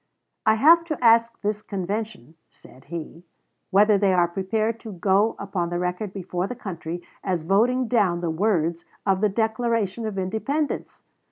"I have to ask this convention," said he, "whether they are prepared to go upon the record before the country as voting down the words of the Declaration of Independence?...